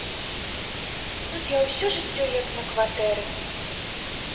Тут я ўсё жыццё як на кватэры.